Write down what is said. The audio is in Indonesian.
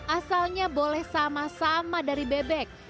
asalnya boleh sama sama dari bebek